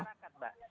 iya masyarakat mbak